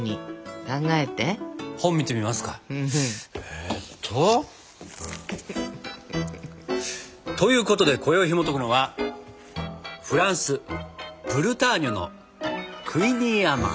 えと。ということで今宵ひもとくのはフランスブルターニュのクイニーアマン。